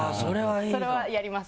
それはやります。